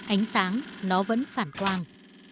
ánh sáng nó vẫn phản quang